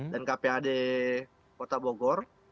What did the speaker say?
dan kpad kota bogor